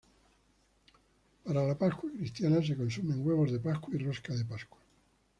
Para la Pascua cristiana se consumen huevos de pascua y rosca de pascua.